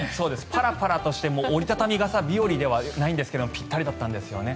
パラパラとしても折り畳み傘日和ではないですがぴったりだったんですよね。